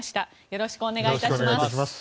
よろしくお願いします。